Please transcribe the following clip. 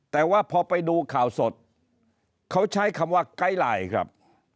แต่ว่าพอไปดูข่าวสดเขาใช้คำว่าไกด์ไลน์ครับ